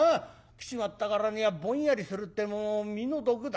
来ちまったからにはぼんやりするってのも身の毒だ。